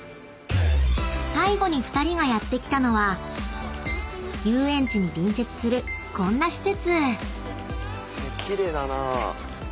［最後に２人がやって来たのは遊園地に隣接するこんな施設］